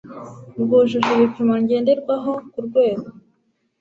rwujuje ibipimo ngenderwaho ku rwego